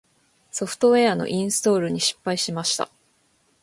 ソフトウェアのインストールに失敗しました。